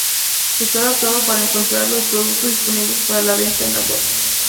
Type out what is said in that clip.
Se está adaptado para encontrar los productos disponibles para la venta en la web.